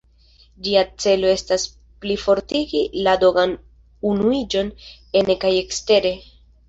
Ĝia celo estas plifortigi la dogan-unuiĝon ene kaj ekstere.